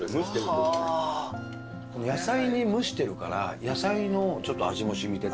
野菜に蒸してるから野菜の味も染みてて。